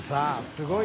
すごい。